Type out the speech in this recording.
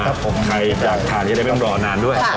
ใครอยากทานจะได้ไม่ต้องรอนานด้วย